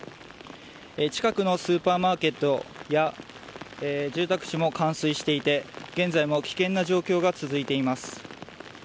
近くのスーパーマーケットや住宅地も冠水していて現在も危険な状況が続いています。